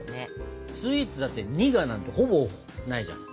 スイーツだって「苦」なんてほぼないじゃん。